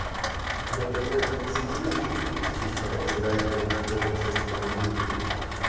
Я потратил десятилетия, защищая Израиль перед судом общественного мнения.